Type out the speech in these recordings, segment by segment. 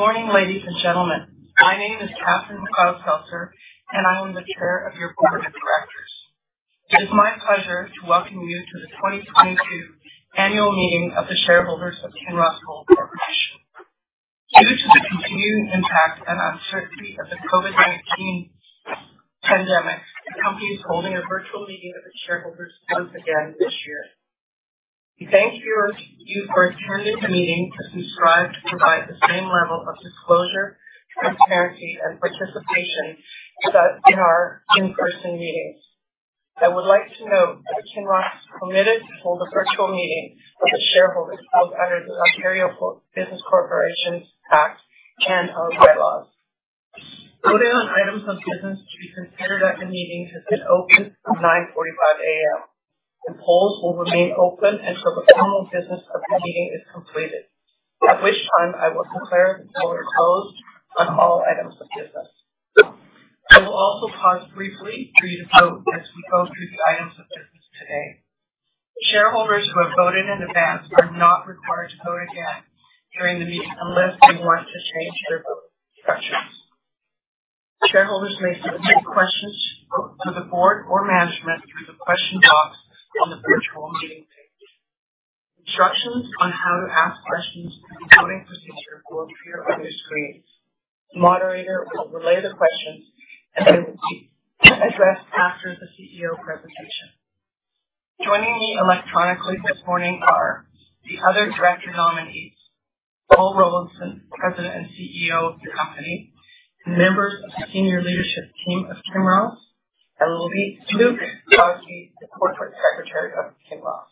Good morning, ladies and gentlemen. My name is Catherine McLeod-Seltzer, and I am the Chair of your board of directors. It is my pleasure to welcome you to the 2022 annual meeting of the shareholders of Kinross Gold Corporation. Due to the continued impact and uncertainty of the COVID-19 pandemic, the company is holding a virtual meeting of its shareholders once again this year. We thank you for attending the meeting as we strive to provide the same level of disclosure, transparency and participation as that in our in-person meetings. I would like to note that Kinross is committed to hold a virtual meeting with the shareholders as under the Ontario Business Corporations Act and our bylaws. Voting on items of business to be considered at the meeting has been open from 9:45 A.M. The polls will remain open until the formal business of the meeting is completed, at which time I will declare the polls are closed on all items of business. I will also pause briefly for you to vote as we go through the items of business today. Shareholders who have voted in advance are not required to vote again during the meeting unless they want to change their vote instructions. Shareholders may submit questions for the board or management through the question box on the virtual meeting page. Instructions on how to ask questions and the voting procedure will appear on your screen. The moderator will relay the questions, and they will be addressed after the CEO presentation. Joining me electronically this morning are the other director nominees, Paul Rollinson, President and CEO of the company, members of the senior leadership team of Kinross, and Luke Crosby, the Corporate Secretary of Kinross.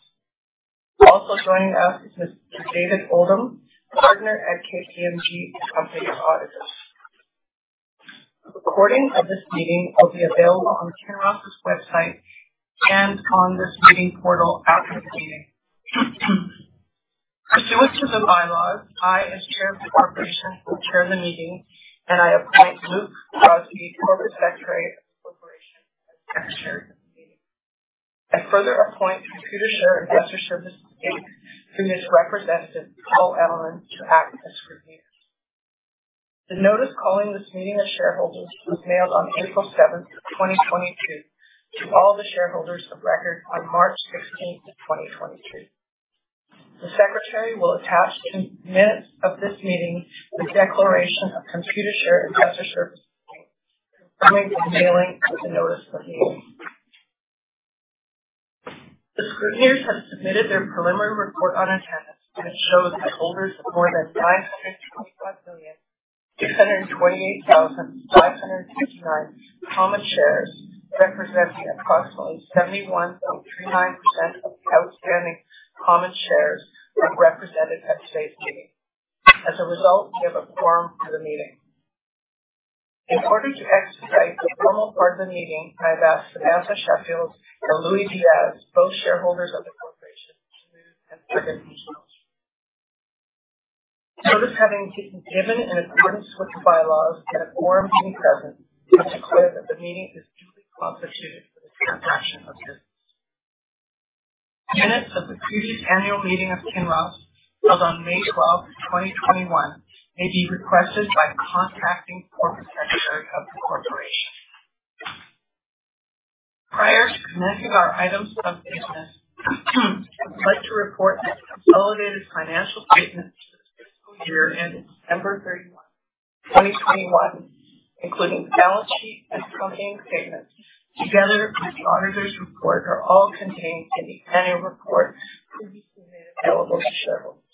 Also joining us is Mr. David Oldham, partner at KPMG, the company's auditors. A recording of this meeting will be available on Kinross's website and on this meeting portal after the meeting. Pursuant to the bylaws, I, as Chair of the corporation, will chair the meeting, and I appoint Luke Crosby, Corporate Secretary of the corporation, as Vice Chair of the meeting. I further appoint Computershare Investor Services Inc. through its representative, Paul Elliman, to act as scrutineers. The notice calling this meeting of shareholders was mailed on April 7th, 2022, to all the shareholders of record on March 16th, 2023. The secretary will attach the minutes of this meeting with a declaration of Computershare Investor Services Inc confirming the mailing of the notice of meeting. The scrutineers have submitted their preliminary report on attendance, and it shows that holders of more than 525,628,559 common shares, representing approximately 71.39% of the outstanding common shares, are represented at today's meeting. As a result, we have a quorum for the meeting. In order to exercise the formal part of the meeting, I have asked Vanessa Sheffield and Louie Diaz, both shareholders of the corporation, to move and second these motions. Notice having been given in accordance with the bylaws and a quorum being present, I declare that the meeting is duly constituted for the transaction of business. Minutes of the previous annual meeting of Kinross held on May 12, 2021, may be requested by contacting the corporate secretary of the corporation. Prior to commencing our items of business, I would like to report that the consolidated financial statements for the fiscal year ended December 31, 2021, including the balance sheet and accompanying statements together with the auditor's report, are all contained in the annual report previously made available to shareholders.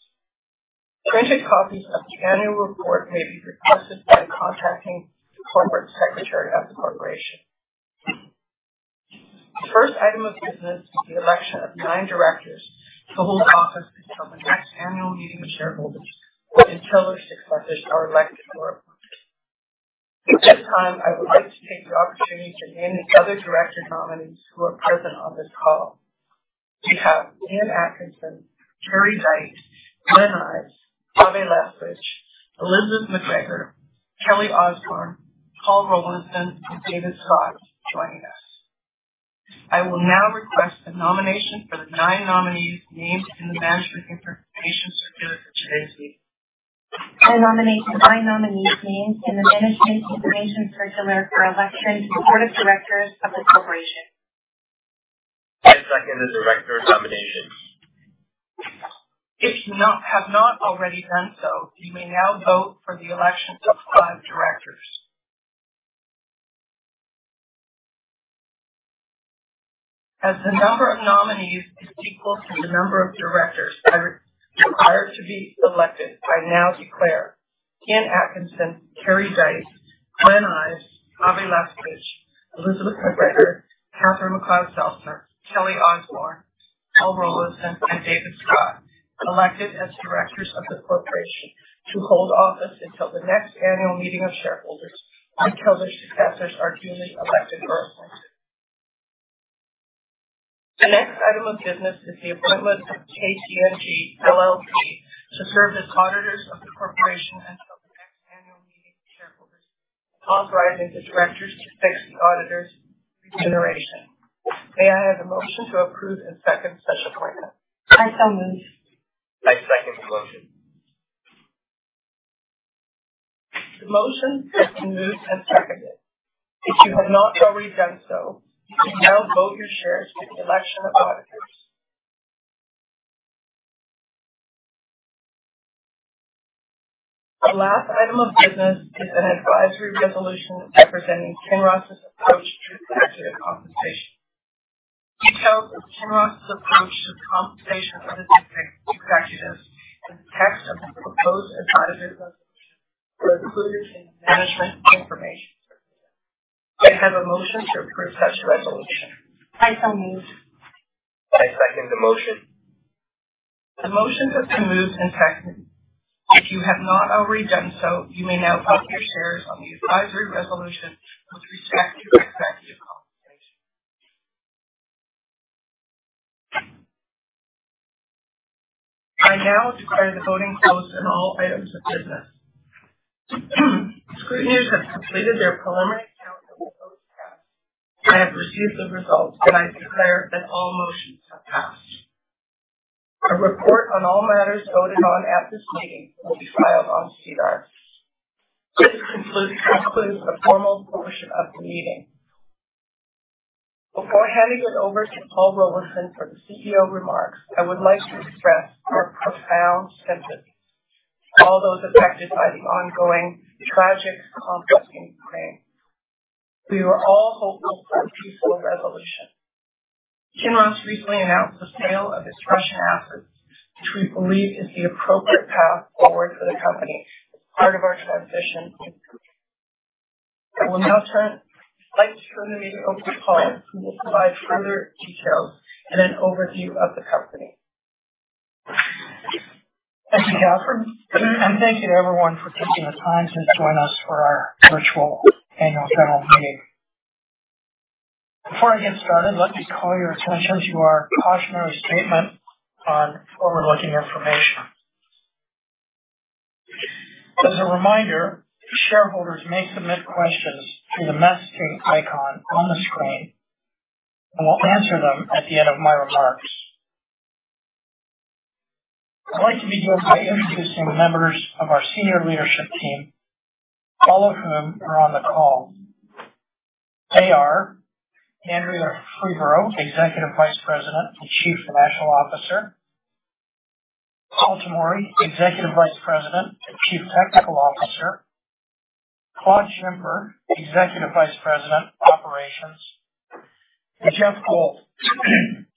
Printed copies of the annual report may be requested by contacting the corporate secretary of the corporation. The first item of business is the election of nine directors to hold office until the next annual meeting of shareholders or until their successors are elected or appointed. At this time, I would like to take the opportunity to name the other director nominees who are present on this call. We have Ian Atkinson, Kerry Dyte, Glenn Ives, Ave Lethbridge, Elizabeth McGregor, Kelly Osborne, Paul Rollinson, and David Scott joining us. I will now request the nomination for the nine nominees named in the Management Information Circular for today's meeting. I nominate the nine nominees named in the Management Information Circular for election to the Board of Directors of the corporation. I second the director nominations. If you have not already done so, you may now vote for the election of 5 directors. As the number of nominees is equal to the number of directors that are required to be elected, I now declare Ian Atkinson, Kerry Dyte, Glenn Ives, Ave Lethbridge, Elizabeth McGregor, Catherine McLeod-Seltzer, Kelly Osborne, Paul Rollinson, and David Scott elected as directors of the corporation to hold office until the next annual meeting of shareholders or until their successors are duly elected or appointed. The next item of business is the appointment of KPMG LLP to serve as auditors of the corporation until the next annual meeting of shareholders, authorizing the directors to fix the auditors' remuneration. May I have a motion to approve and second such appointment? I so move. I second the motion. The motion has been moved and seconded. If you have not already done so, you can now vote your shares in the election of auditors. The last item of business is an advisory resolution representing Kinross's approach to executive compensation. Details of Kinross's approach to the compensation of executives and the text of the proposed advisory resolution were included in Management Information Circular. May I have a motion to approve such a resolution? I so move. I second the motion. The motion has been moved and seconded. If you have not already done so, you may now vote your shares on the advisory resolution with respect to executive compensation. I now declare the voting closed on all items of business. Scrutineers have completed their preliminary count of the votes cast. I have received the results, and I declare that all motions have passed. A report on all matters voted on at this meeting will be filed on SEDAR. This concludes the formal portion of the meeting. Before handing it over to Paul Rollinson for the CEO remarks, I would like to express our profound sympathy to all those affected by the ongoing tragic conflict in Ukraine. We were all hopeful for a peaceful resolution. Kinross recently announced the sale of its Russian assets, which we believe is the appropriate path forward for the company as part of our transition. I will now turn the mic to the meeting over to Paul, who will provide further details and an overview of the company. Thank you, Catherine, and thank you everyone for taking the time to join us for our virtual annual general meeting. Before I get started, let me call your attention to our cautionary statement on forward-looking information. As a reminder, shareholders may submit questions through the messaging icon on the screen, and we'll answer them at the end of my remarks. I'd like to begin by introducing the members of our senior leadership team, all of whom are on the call. They are Andrea Freeborough, Executive Vice President and Chief Financial Officer. Paul Tomory, Executive Vice President and Chief Technical Officer. Claude Schimper, Executive Vice President, Operations. And Geoff Gold,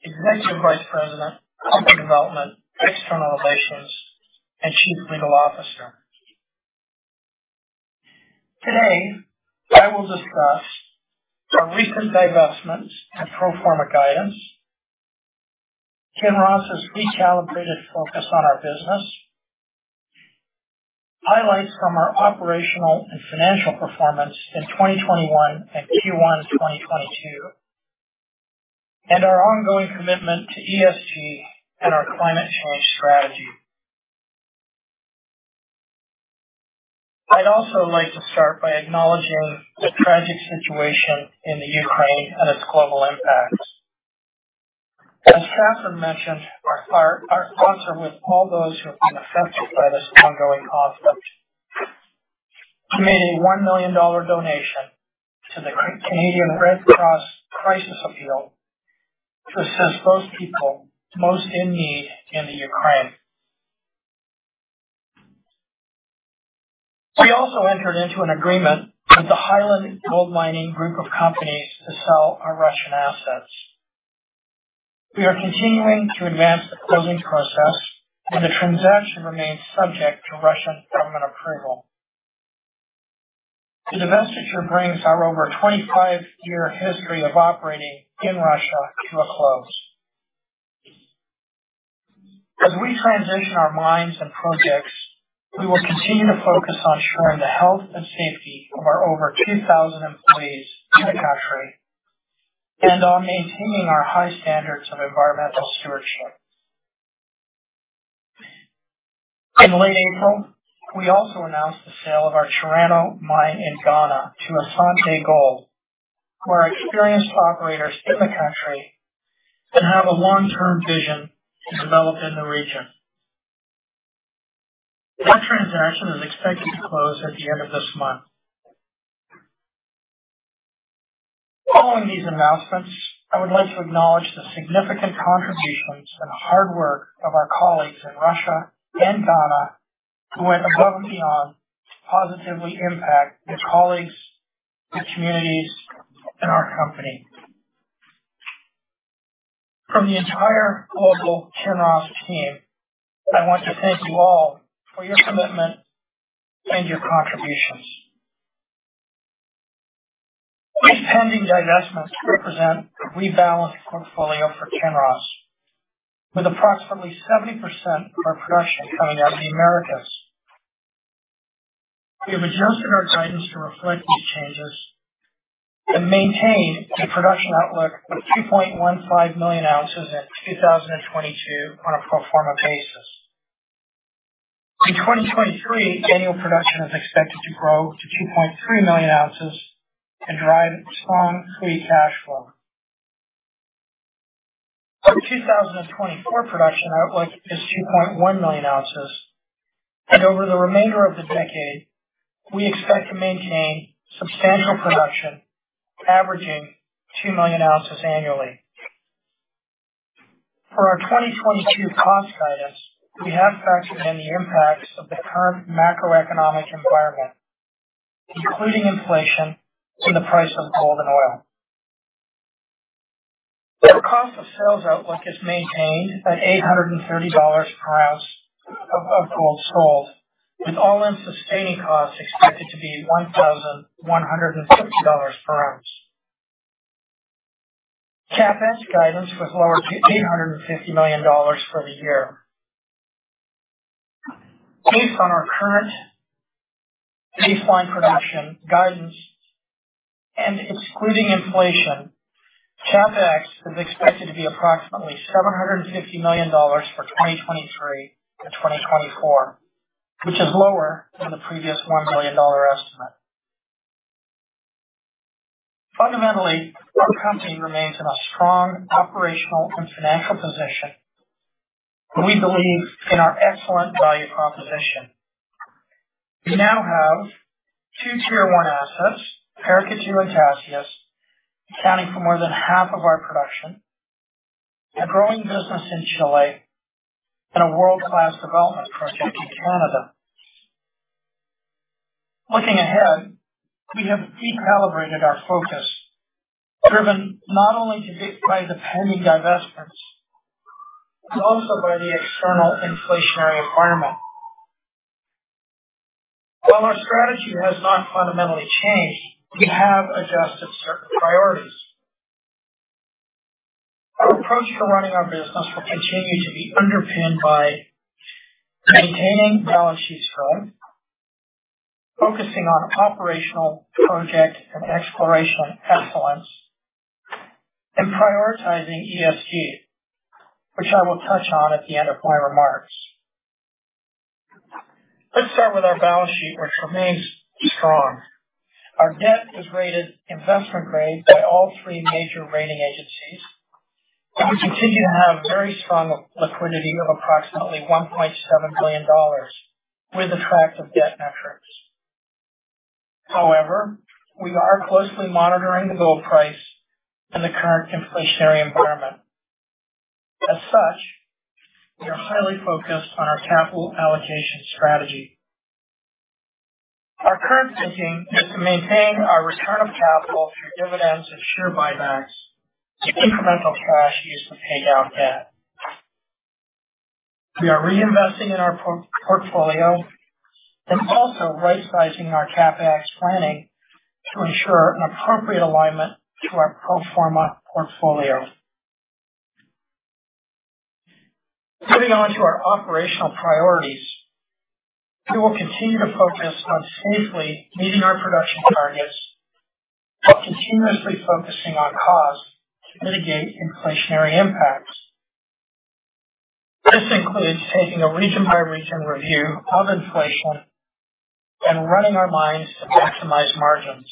Executive Vice President, Corporate Development, External Relations, and Chief Legal Officer. Today, I will discuss our recent divestments and pro forma guidance. Kinross's recalibrated focus on our business. Highlights from our operational and financial performance in 2021 and Q1 2022. Our ongoing commitment to ESG and our climate change strategy. I'd also like to start by acknowledging the tragic situation in the Ukraine and its global impact. As Catherine mentioned, our thoughts are with all those who have been affected by this ongoing conflict. We made a $1 million donation to the Canadian Red Cross Crisis Appeal to assist those people most in need in the Ukraine. We also entered into an agreement with the Highland Gold Mining group of companies to sell our Russian assets. We are continuing to advance the closing process, and the transaction remains subject to Russian government approval. The divestiture brings our over 25-year history of operating in Russia to a close. As we transition our mines and projects, we will continue to focus on ensuring the health and safety of our over 2,000 employees in the country and on maintaining our high standards of environmental stewardship. In late April, we also announced the sale of our Chirano mine in Ghana to Asante Gold, who are experienced operators in the country and have a long-term vision to develop in the region. That transaction is expected to close at the end of this month. Following these announcements, I would like to acknowledge the significant contributions and hard work of our colleagues in Russia and Ghana who went above and beyond to positively impact their colleagues, their communities, and our company. From the entire global Kinross team, I want to thank you all for your commitment and your contributions. These pending divestments represent a rebalanced portfolio for Kinross, with approximately 70% of our production coming out of the Americas. We have adjusted our guidance to reflect these changes and maintain a production outlook of 2.15 million ounces in 2022 on a pro forma basis. In 2023, annual production is expected to grow to 2.3 million ounces and drive strong free cash flow. Our 2024 production outlook is 2.1 million ounces, and over the remainder of the decade, we expect to maintain substantial production averaging 2 million ounces annually. For our 2022 cost guidance, we have factored in the impacts of the current macroeconomic environment, including inflation in the price of gold and oil. Our cost of sales outlook is maintained at $830 per ounce of gold sold, with all-in sustaining costs expected to be $1,160 per ounce. CapEx guidance was lowered to $850 million for the year. Based on our current declining production guidance and excluding inflation, CapEx is expected to be approximately $750 million for 2023-2024, which is lower than the previous $1 billion estimate. Fundamentally, our company remains in a strong operational and financial position. We believe in our excellent value proposition. We now have two tier one assets, Paracatu and Tasiast, accounting for more than half of our production, a growing business in Chile, and a world-class development project in Canada. Looking ahead, we have recalibrated our focus, driven not only by the pending divestments, but also by the external inflationary environment. While our strategy has not fundamentally changed, we have adjusted certain priorities. Our approach to running our business will continue to be underpinned by maintaining balance sheet strength, focusing on operational project and exploration excellence, and prioritizing ESG, which I will touch on at the end of my remarks. Let's start with our balance sheet, which remains strong. Our debt is rated investment grade by all three major rating agencies, and we continue to have very strong liquidity of approximately $1.7 billion with attractive debt metrics. However, we are closely monitoring the gold price in the current inflationary environment. As such, we are highly focused on our capital allocation strategy. Our current thinking is to maintain our return of capital through dividends and share buybacks to incremental cash used to pay down debt. We are reinvesting in our portfolio and also rightsizing our CapEx planning to ensure an appropriate alignment to our pro forma portfolio. Moving on to our operational priorities, we will continue to focus on safely meeting our production targets while continuously focusing on cost to mitigate inflationary impacts. This includes taking a region by region review of inflation and running our mines to maximize margins.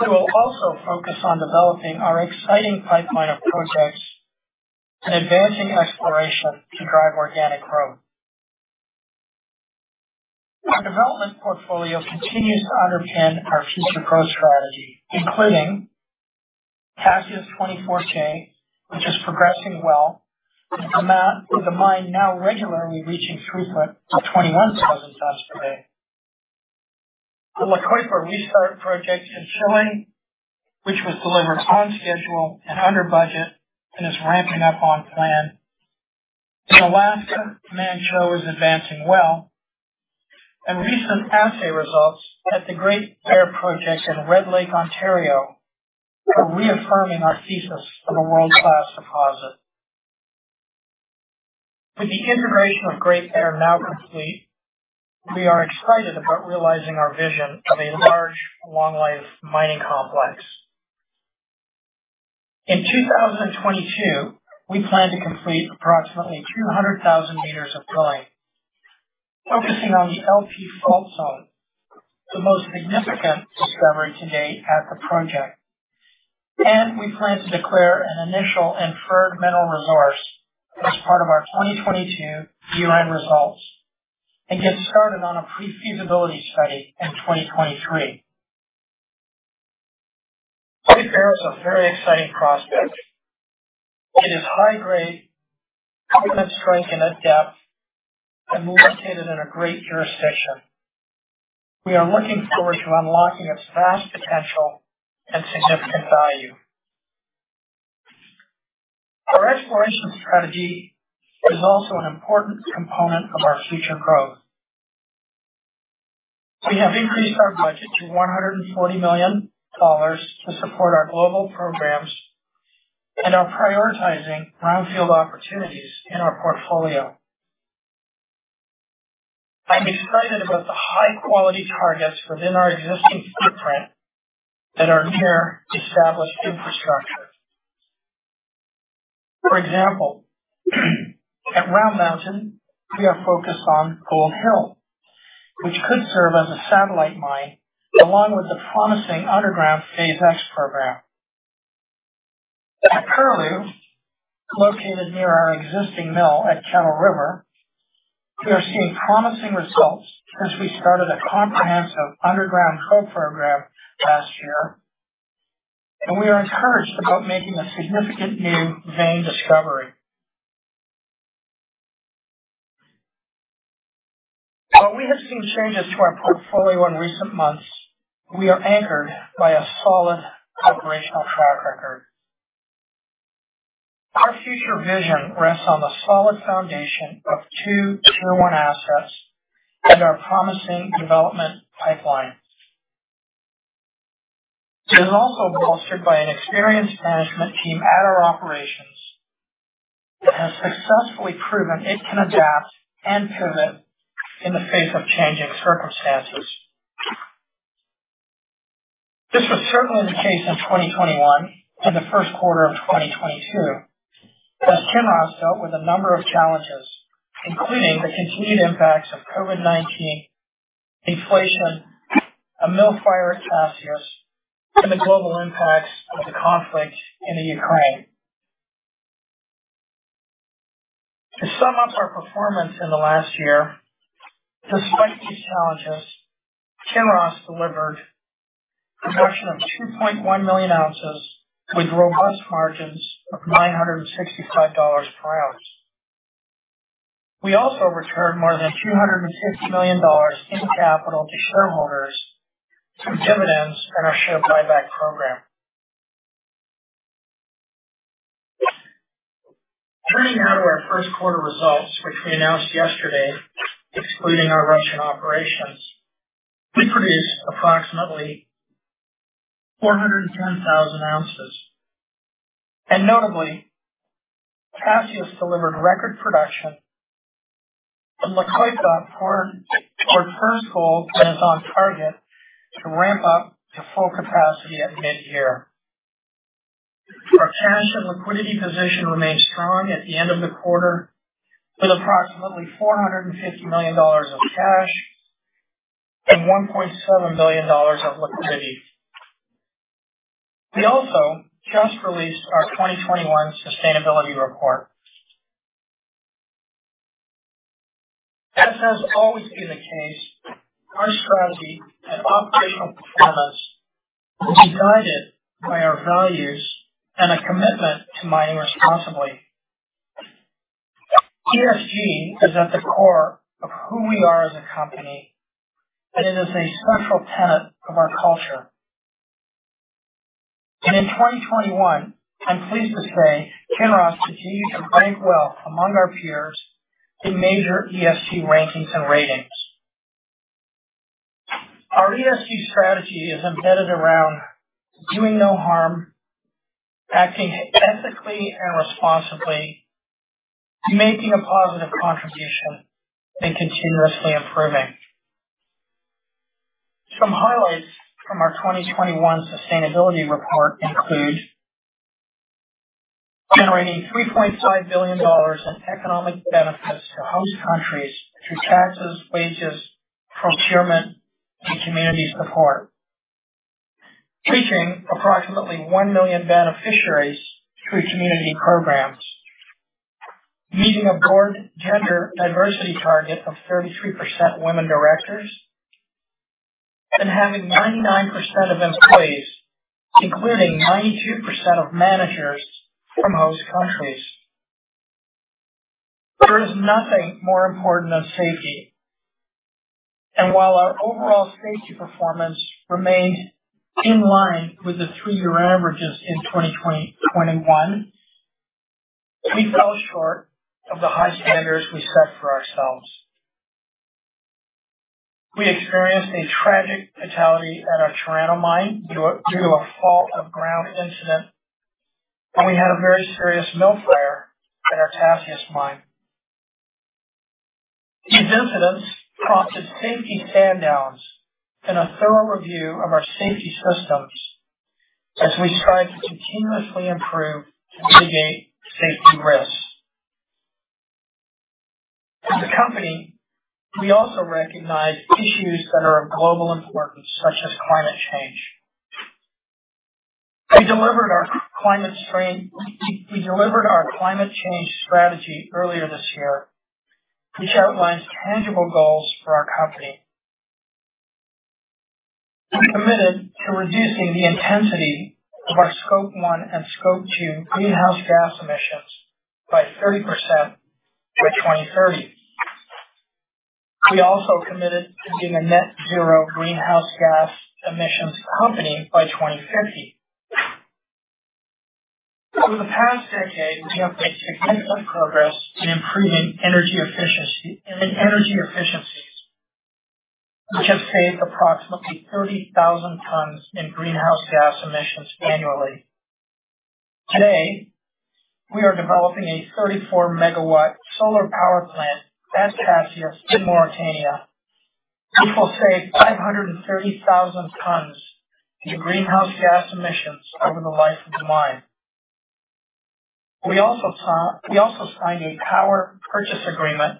We will also focus on developing our exciting pipeline of projects and advancing exploration to drive organic growth. Our development portfolio continues to underpin our future growth strategy, including Tasiast 24k, which is progressing well with the mine now regularly reaching throughput of 21,000 tons per day. The La Coipa restart project in Chile, which was delivered on schedule and under budget and is ramping up on plan. In Alaska, Manh Choh is advancing well, and recent assay results at the Great Bear project in Red Lake, Ontario, are reaffirming our thesis of a world-class deposit. With the integration of Great Bear now complete, we are excited about realizing our vision of a large, long-life mining complex. In 2022, we plan to complete approximately 200,000 meters of drilling, focusing on the LP Fault Zone, the most significant discovery to date at the project. We plan to declare an initial inferred mineral resource as part of our 2022 year-end results and get started on a pre-feasibility study in 2023. Great Bear is a very exciting prospect. It is high grade, has strength and at depth, and located in a great jurisdiction. We are looking forward to unlocking its vast potential and significant value. Our exploration strategy is also an important component of our future growth. We have increased our budget to $140 million to support our global programs and are prioritizing brownfield opportunities in our portfolio. I'm excited about the high quality targets within our existing footprint that are near established infrastructure. For example, at Round Mountain, we are focused on Gold Hill, which could serve as a satellite mine, along with the promising underground Phase X program. At Curlew, located near our existing mill at Kettle River, we are seeing promising results since we started a comprehensive underground hole program last year, and we are encouraged about making a significant new vein discovery. While we have seen changes to our portfolio in recent months, we are anchored by a solid operational track record. Our future vision rests on the solid foundation of two tier one assets and our promising development pipeline. It is also bolstered by an experienced management team at our operations that has successfully proven it can adapt and pivot in the face of changing circumstances. This was certainly the case in 2021 and the first quarter of 2022, as Kinross dealt with a number of challenges, including the continued impacts of COVID-19, inflation, a mill fire at Tasiast, and the global impacts of the conflict in the Ukraine. To sum up our performance in the last year, despite these challenges, Kinross delivered production of 2.1 million ounces with robust margins of $965 per ounce. We also returned more than $260 million in capital to shareholders through dividends and our share buyback program. Turning now to our first quarter results, which we announced yesterday. Excluding our Russian operations, we produced approximately 410,000 ounces. Notably, Tasiast delivered record production and La Coipa toward first gold and is on target to ramp up to full capacity at mid-year. Our cash and liquidity position remained strong at the end of the quarter, with approximately $450 million of cash and $1.7 billion of liquidity. We also just released our 2021 sustainability report. As has always been the case, our strategy and operational performance will be guided by our values and a commitment to mining responsibly. ESG is at the core of who we are as a company, and it is a central tenet of our culture. In 2021, I'm pleased to say Kinross continued to rank well among our peers in major ESG rankings and ratings. Our ESG strategy is embedded around doing no harm, acting ethically and responsibly, making a positive contribution, and continuously improving. Some highlights from our 2021 sustainability report include generating $3.5 billion in economic benefits to host countries through taxes, wages, procurement, and community support. Reaching approximately 1 million beneficiaries through community programs. Meeting a board gender diversity target of 33% women directors. Having 99% of employees, including 92% of managers from host countries. There is nothing more important than safety. While our overall safety performance remained in line with the three-year averages in 2021, we fell short of the high standards we set for ourselves. We experienced a tragic fatality at our Toronto mine due to a fall of ground incident, and we had a very serious mill fire at our Tasiast mine. These incidents prompted safety stand downs and a thorough review of our safety systems as we strive to continuously improve to mitigate safety risks. As a company, we also recognize issues that are of global importance such as climate change. We delivered our climate change strategy earlier this year, which outlines tangible goals for our company. We committed to reducing the intensity of our Scope 1 and Scope 2 greenhouse gas emissions by 30% by 2030. We also committed to being a net zero greenhouse gas emissions company by 2050. Over the past decade, we have made significant progress in improving energy efficiency and in energy efficiencies, which has saved approximately 30,000 tons in greenhouse gas emissions annually. Today, we are developing a 34 MW solar power plant at Tasiast in Mauritania, which will save 530,000 tons in greenhouse gas emissions over the life of the mine. We also we also signed a power purchase agreement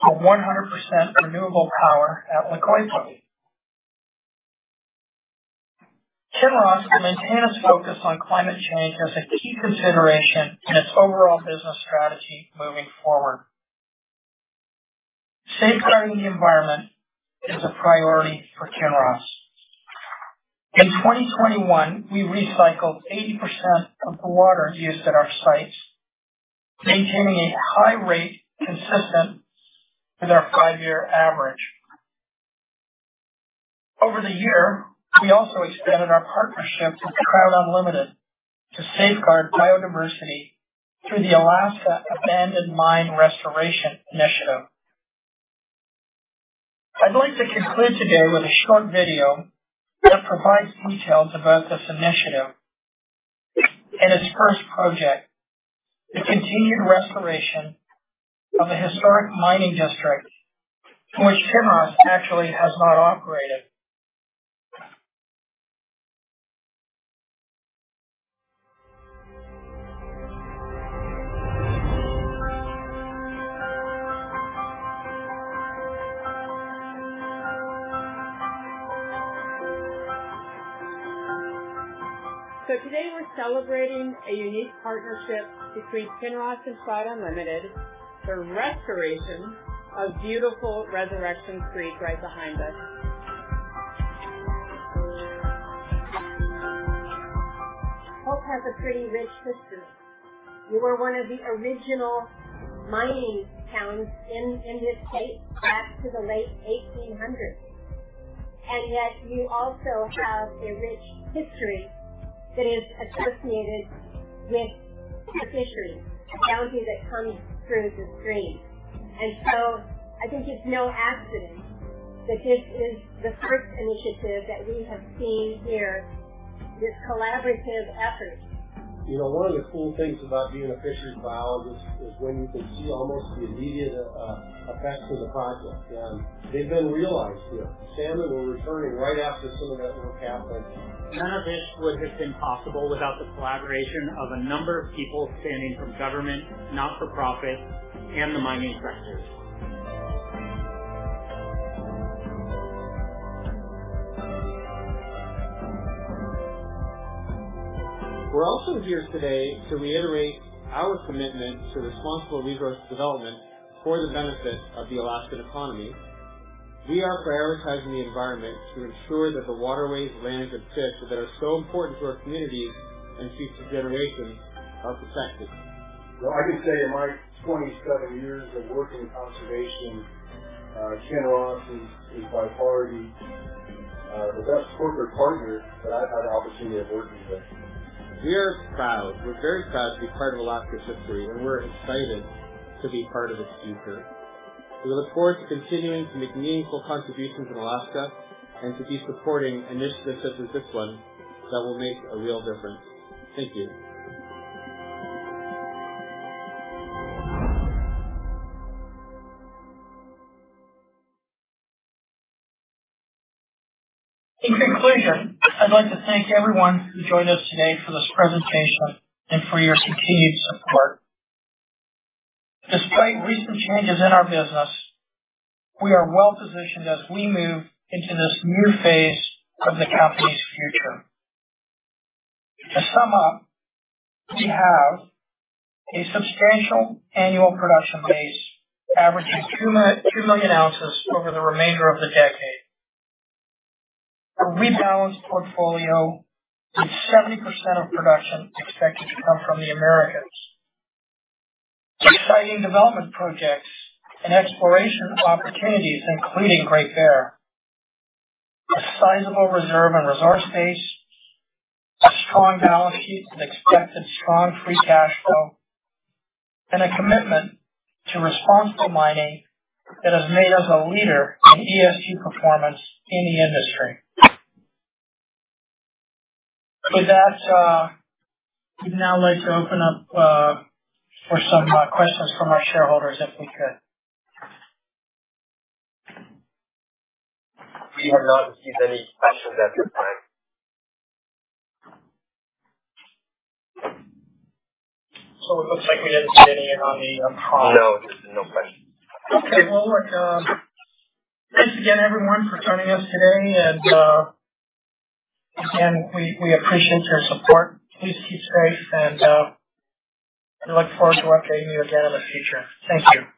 for 100% renewable power at La Coipa. Kinross will maintain its focus on climate change as a key consideration in its overall business strategy moving forward. Safeguarding the environment is a priority for Kinross. In 2021, we recycled 80% of the water used at our sites, maintaining a high rate consistent with our five-year average. Over the year, we also extended our partnership with Trout Unlimited to safeguard biodiversity through the Alaska Abandoned Mine Restoration Initiative. I'd like to conclude today with a short video that provides details about this initiative and its first project, the continued restoration of the historic mining district in which Kinross actually has not operated. Today we're celebrating a unique partnership between Kinross and Trout Unlimited for restoration of beautiful Resurrection Creek right behind us. Hope has a pretty rich history. You were one of the original mining towns in this state back to the late 1800s. Yet you also have a rich history that is associated with the fishery, the bounty that comes through the stream. I think it's no accident that this is the first initiative that we have seen here, this collaborative effort. You know, one of the cool things about being a fisheries biologist is when you can see almost the immediate effects of the project. They've been realized here. Salmon were returning right after some of that work happened. None of this would have been possible without the collaboration of a number of people stemming from government, not-for-profit, and the mining sectors. We're also here today to reiterate our commitment to responsible resource development for the benefit of the Alaskan economy. We are prioritizing the environment to ensure that the waterways, lands, and fish that are so important to our communities and future generations are protected. Well, I can say in my 27 years of working in conservation, Kinross is by far the best corporate partner that I've had the opportunity of working with. We are proud. We're very proud to be part of Alaska's history, and we're excited to be part of its future. We look forward to continuing to make meaningful contributions in Alaska and to be supporting initiatives such as this one that will make a real difference. Thank you. In conclusion, I'd like to thank everyone who joined us today for this presentation and for your continued support. Despite recent changes in our business, we are well positioned as we move into this new phase of the company's future. To sum up, we have a substantial annual production base averaging 2 million ounces over the remainder of the decade. A rebalanced portfolio with 70% of production expected to come from the Americas. Exciting development projects and exploration opportunities, including Great Bear. A sizable reserve and resource base. A strong balance sheet with expected strong free cash flow. A commitment to responsible mining that has made us a leader in ESG performance in the industry. With that, we'd now like to open up for some questions from our shareholders, if we could. We have not received any questions at this time. It looks like we didn't get any on the. No, there's been no questions. Okay. Well, look, thanks again everyone for joining us today, and, again, we appreciate your support. Please keep safe and, we look forward to updating you again in the future. Thank you.